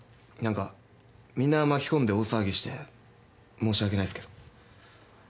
何かみんな巻き込んで大騒ぎして申し訳ないっすけど。